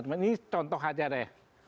ini contoh aja deh